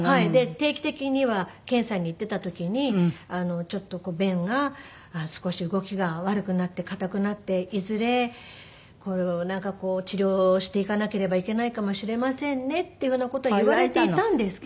定期的には検査に行ってた時に「ちょっと弁が少し動きが悪くなって硬くなっていずれなんかこう治療をしていかなければいけないかもしれませんね」っていう風な事は言われていたんですけど。